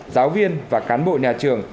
giáo viên và cán bộ nhà trường